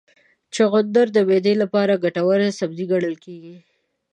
چغندر د معدې لپاره ګټور سبزی ګڼل کېږي.